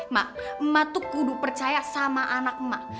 mak mak itu kudu percaya sama anak mak